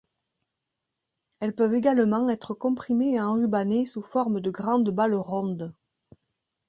Elles peuvent également être comprimées et enrubannées sous forme de grandes balles rondes.